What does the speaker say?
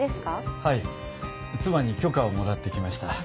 ・はい妻に許可をもらってきました。